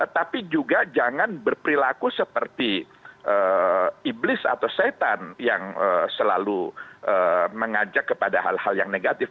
tapi juga jangan berperilaku seperti iblis atau setan yang selalu mengajak kepada hal hal yang negatif